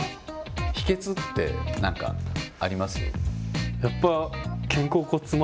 秘けつってなんかあります？